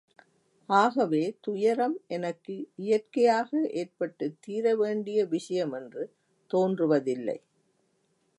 ஆகவே, துயரம் எனக்கு இயற்கையாக ஏற்பட்டுத் தீரவேண்டிய விஷயமென்று தோன்றுவதில்லை.